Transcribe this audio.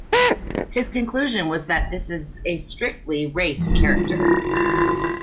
His conclusion was that this is a strictly race character.